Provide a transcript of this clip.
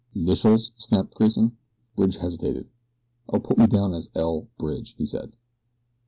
"'Nitials," snapped Grayson. Bridge hesitated. "Oh, put me down as L. Bridge," he said.